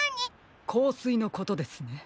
こうすいのことですね。